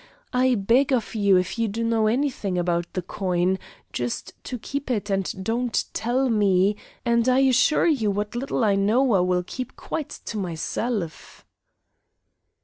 I beg of you, if you do know anything about the coin, just to keep it and don't tell me, and I assure you what little I know I will keep quite to myself."